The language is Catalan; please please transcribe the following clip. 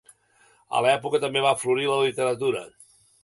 A l'època també va florir la literatura.